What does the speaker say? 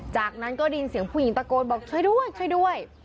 จากนั้นก็ได้ยินเสียงผู้หญิงตะโกนบอกช่วยด้วยช่วยด้วย